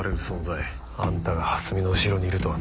あんたが蓮見の後ろにいるとはな。